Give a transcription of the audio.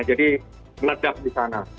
jadi meledak di sana